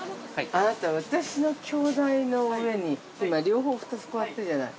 ◆あなた、私の鏡台の上に、今両方２つこうやってるじゃない。